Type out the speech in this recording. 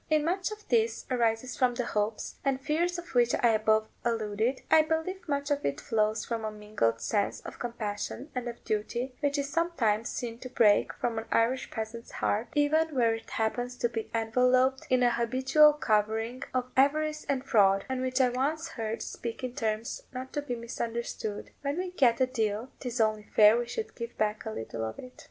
If much of this arises from the hopes and fears to which I above alluded, I believe much of it flows from a mingled sense of compassion and of duty, which is sometimes seen to break from an Irish peasant's heart, even where it happens to be enveloped in a habitual covering of avarice and fraud; and which I once heard speak in terms not to be misunderstood: "When we get a deal, 'tis only fair we should give back a little of it."